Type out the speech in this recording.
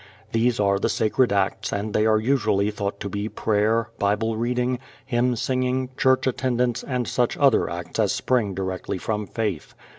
These are the sacred acts and they are usually thought to be prayer, Bible reading, hymn singing, church attendance and such other acts as spring directly from faith.